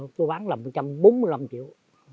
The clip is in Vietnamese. tôi bán là một trăm bốn mươi năm triệu